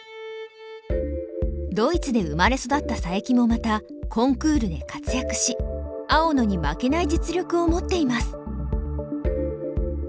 ドイツで生まれ育った佐伯もまたコンクールで活躍し青野に負けない実力を持っています。